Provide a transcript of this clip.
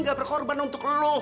ngak berkorban untuk lo